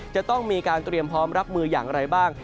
จะต้องมีการเตรียมพร้อมรับมืออย่างไรบ้าง